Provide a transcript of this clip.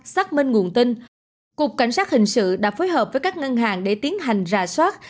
xác minh nguồn tin cục cảnh sát hình sự đã phối hợp với các ngân hàng để tiến hành rà soát